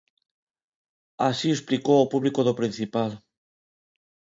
Así o explicou ao público do Principal.